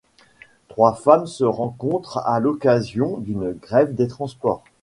Trois femmes se rencontrent à l'occasion d'une grève des transports.